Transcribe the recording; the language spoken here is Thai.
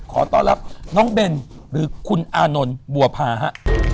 ขอต้อนรับน้องเบนหรือคุณอานนท์บัวพาฮะ